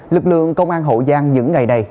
lực lượng công an hậu giang những ngày này